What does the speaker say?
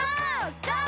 ゴー！